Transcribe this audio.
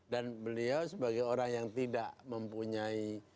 dan beliau sebagai orang yang tidak mempunyai